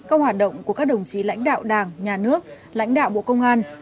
các hoạt động của các đồng chí lãnh đạo đảng nhà nước lãnh đạo bộ công an